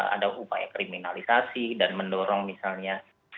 ada upaya kriminalisasi dan mendorong misalnya